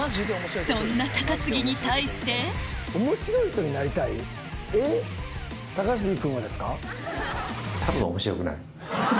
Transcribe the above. そんな高杉に対して多分。